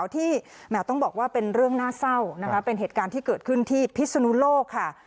แหมต้องบอกว่าเป็นเรื่องน่าเศร้านะคะเป็นเหตุการณ์ที่เกิดขึ้นที่พิศนุโลกค่ะ